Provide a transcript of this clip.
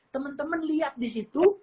teman teman lihat disitu